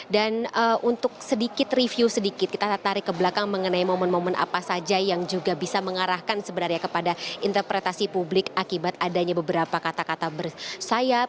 dan untuk sedikit review sedikit kita tarik ke belakang mengenai momen momen apa saja yang juga bisa mengarahkan sebenarnya kepada interpretasi publik akibat adanya beberapa kata kata bersayap